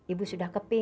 ibu sudah kepengen